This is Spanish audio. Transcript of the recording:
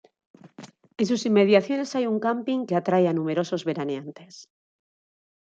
En sus inmediaciones hay un camping que atrae a numerosos veraneantes.